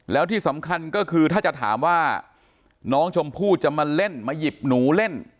แล้วที่สำคัญก็คือถ้าจะถามว่าน้องชมพู่จะมาเล่นมาหยิบหนูเล่น